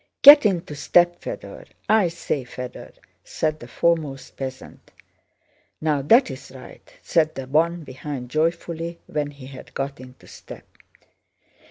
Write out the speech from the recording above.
"Get into step, Fëdor... I say, Fëdor!" said the foremost peasant. "Now that's right!" said the one behind joyfully, when he had got into step.